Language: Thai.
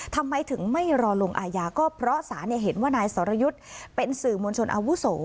ทำไมถึงไม่รอลงอาญาก็เพราะสารเห็นว่านายสรยุทธ์เป็นสื่อมวลชนอาวุโส